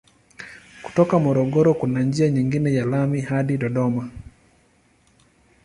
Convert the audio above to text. Kutoka Morogoro kuna njia nyingine ya lami hadi Dodoma.